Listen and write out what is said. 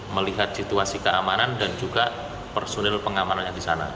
melihat situasi keamanan dan juga personil pengamanannya di sana